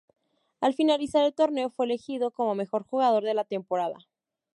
Al finalizar el torneo fue elegido como "Mejor Jugador" de la temporada.